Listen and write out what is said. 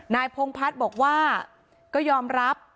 พงพัฒน์บอกว่าก็ยอมรับ